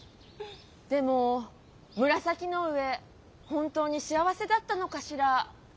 でも紫の上本当にしあわせだったのかしら？